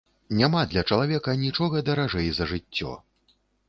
Няма для чалавека нічога даражэй за жыццё.